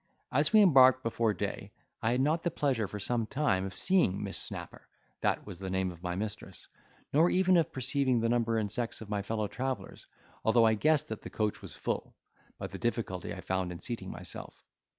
As we embarked before day, I had not the pleasure for some time of seeing Miss Snapper (that was the name of my mistress), nor even of perceiving the number and sex of my fellow travellers, although I guessed that the coach was full, by the difficulty I found in seating myself.